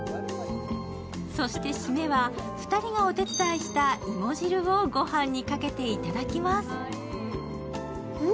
そして、締めは２人がお手伝いしたいも汁を御飯にかけていただきます。